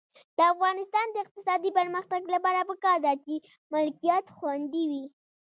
د افغانستان د اقتصادي پرمختګ لپاره پکار ده چې ملکیت خوندي وي.